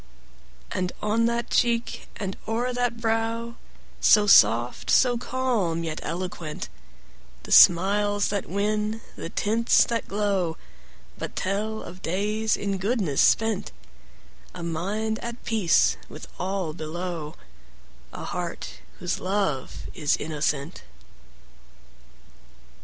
And on that cheek, and o'er that brow, So soft, so calm, yet eloquent, The smiles that win, the tints that glow, 15 But tell of days in goodness spent, A mind at peace with all below, A heart whose love is innocent!